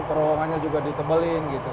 terowongannya juga ditebelin